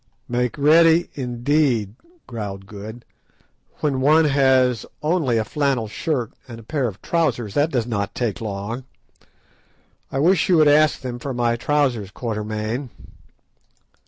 "Make ready, indeed," growled Good; "when one has only a flannel shirt and a pair of boots, that does not take long. I wish you would ask them for my trousers, Quatermain."